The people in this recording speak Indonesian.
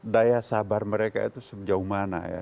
daya sabar mereka itu sejauh mana ya